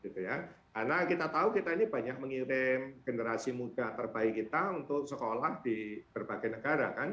karena kita tahu kita ini banyak mengirim generasi muda terbaik kita untuk sekolah di berbagai negara kan